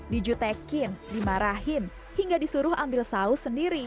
dijutekin dimarahin hingga disuruh ambil saus sendiri